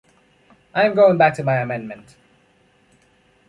I am going back to my amendment.